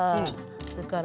それから。